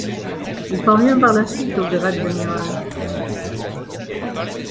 Il parvient par la suite au grade d'amiral.